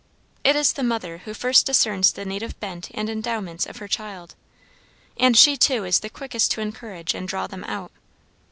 It is the mother who first discerns the native bent and endowments of her child, and she too is the quickest to encourage and draw them out.